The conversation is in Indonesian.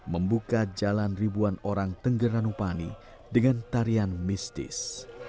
membuka jalan ribuan orang tengger ranupani dengan tarian mistis